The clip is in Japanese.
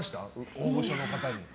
大御所の方に。